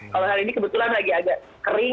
kalau hal ini kebetulan lagi agak kering